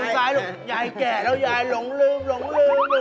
ซ้ายลูกยายแก่แล้วยายหลงลืมหลงลืม